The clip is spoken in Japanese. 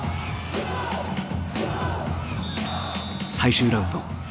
最終ラウンド。